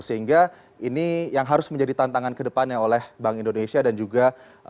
sehingga ini yang harus menjadi tantangan kedepannya oleh bank indonesia dan juga